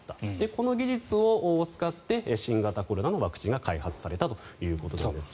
この技術を使って新型コロナのワクチンが開発されたということです。